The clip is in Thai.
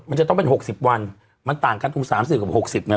มันจะต้องเป็นหกสิบวันมันต่างกันตรงสามสิบกับหกสิบน่ะ